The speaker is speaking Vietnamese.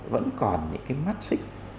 vẫn còn những cái mắt xích